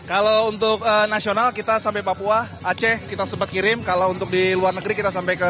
kalau untuk nasional kita sampai papua aceh kita sempat kirim kalau untuk di luar negeri kita sampai ke